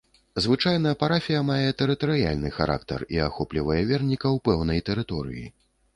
Звычайна, парафія мае тэрытарыяльны характар і ахоплівае вернікаў пэўнай тэрыторыі.